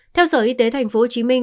theo sở y tế thành phố hồ chí minh